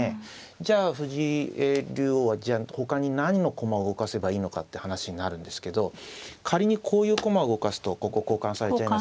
じゃあ藤井竜王はほかに何の駒を動かせばいいのかって話になるんですけど仮にこういう駒を動かすとここ交換されちゃいますね。